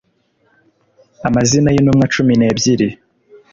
Amazina y intumwa cumi n ebyiri